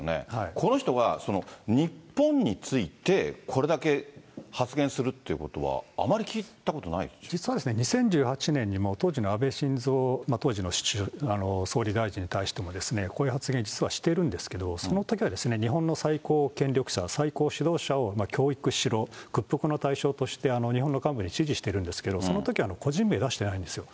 この人が日本についてこれだけ発言するっていうことは、実は、２０１８年にも当時の安倍晋三、当時の総理大臣に対しても、こういう発言、実はしてるんですけれども、そのときは日本の最高権力者、最高指導者を教育しろ、屈服の対象として、日本の幹部に指示してるんですけれども、そのとき、個人名出してないんですよ。